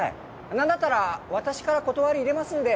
なんだったら私から断りいれますんで。